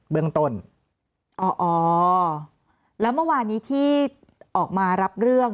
เมื่อวานนี้เป็นรอบ๓แล้วนะ